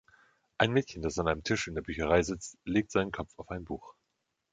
Ein Mädchen, das an einem Tisch in der Bücherei sitzt, legt seinen Kopf auf ein Buch.